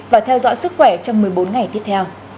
và theo dõi sức khỏe trong một mươi bốn ngày tiếp theo